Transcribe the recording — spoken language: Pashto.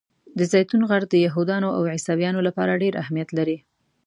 د زیتون غر د یهودانو او عیسویانو لپاره ډېر اهمیت لري.